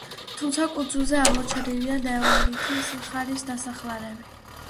თუმცა კუნძულებზე აღმოჩენილია ნეოლითის ხანის ნასახლარები.